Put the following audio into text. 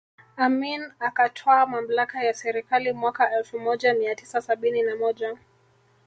Amin akatwaa mamlaka ya serikali mwaka elfu moja mia tisa sabini na moja